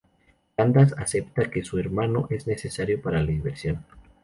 Candace acepta que su hermano es necesario para la diversión.